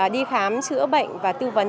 đi khám chữa bệnh và tư vấn